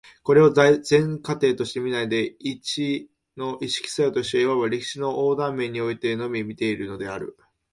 これを全過程として見ないで、一々の意識作用として、いわば歴史の横断面においてのみ見ているのである。